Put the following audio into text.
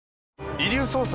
『遺留捜査』